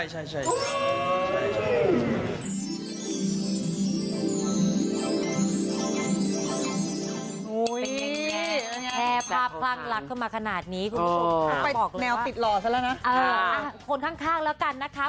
ไปแนวปิดหล่อไปแล้วนะครับเออฮ่าคนข้างข้างแล้วกันนะคะ